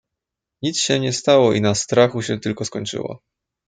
"nic się nie stało i na strachu się tylko skończyło."